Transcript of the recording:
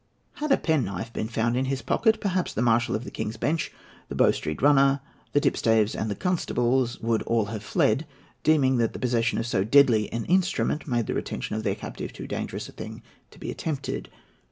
Had a penknife been found in his pocket, perhaps the Marshal of the King's Bench, the Bow Street runner, the tipstaves, and the constables would all have fled, deeming that the possession of so deadly an instrument made the retention of their captive too dangerous a thing to be attempted.